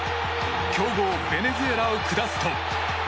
強豪ベネズエラを下すと。